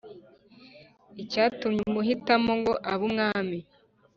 Icyatumye amuhitamo ngo abe umwami